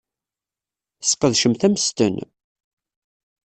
Tesqedcemt ammesten?